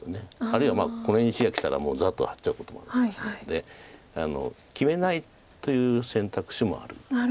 あるいはこの辺に石がきたらもうザッとハッちゃうこともあるので決めないという選択肢もあるはず。